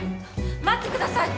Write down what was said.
待ってください！